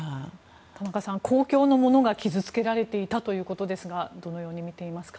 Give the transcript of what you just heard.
田中さん、公共のものが傷つけられていたということですがどのように見ていますか？